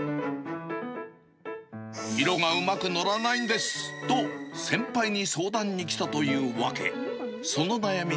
色がうまく乗らないんですと、先輩に相談に来たというわけ。